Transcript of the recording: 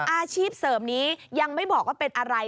อาชีพเสริมนี้ยังไม่บอกว่าเป็นอะไร